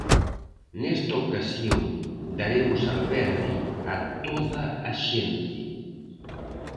Nesta ocasión daremos albergue a toda a xente.